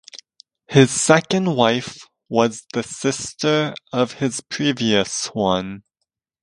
His second wife was the sister of his previous one.